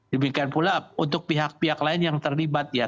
demikian pula untuk pihak pihak lain yang terlibat ya